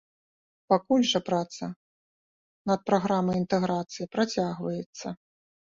Пакуль жа праца над праграмай інтэграцыі працягваецца.